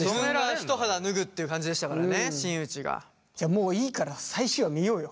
もういいから最終話見ようよ。